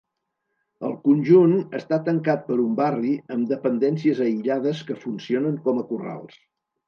El conjunt està tancat per un barri amb dependències aïllades que funcionen com a corrals.